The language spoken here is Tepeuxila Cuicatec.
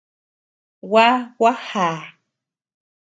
Gua, gua já.